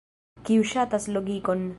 kiu ŝatas logikon